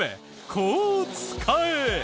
こう使え！